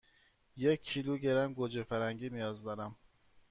یک کیلوگرم گوجه فرنگی نیاز دارم.